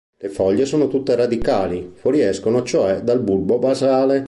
Le foglie sono tutte radicali, fuoriescono cioè dal bulbo basale.